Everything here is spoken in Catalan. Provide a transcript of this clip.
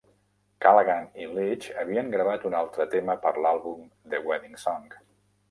Callaghan i Leitch havien gravat un altre tema per a l'àlbum, "The Wedding Song".